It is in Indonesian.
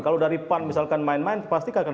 kalau dari pan misalkan main main pasti akan